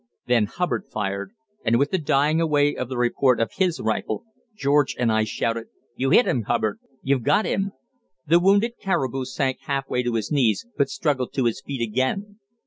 Then Hubbard fired, and with the dying away of the report of his rifle, George and I shouted: "You hit 'im, Hubbard; you've got 'im!" The wounded caribou sank half way to his knees, but struggled to his feet again.